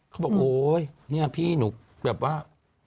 เขาบอกโอ้โฮ้พี่หนูแบบว่า